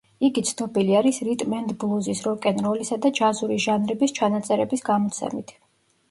იგი ცნობილი არის რიტმ-ენდ-ბლუზის, როკ-ენ-როლისა და ჯაზური ჟანრების ჩანაწერების გამოცემით.